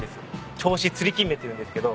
銚子つりきんめっていうんですけど。